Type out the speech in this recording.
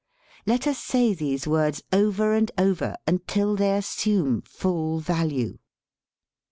Let us say these words over and over until they assume full value.